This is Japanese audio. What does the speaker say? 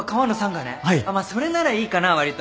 まあそれならいいかなわりと。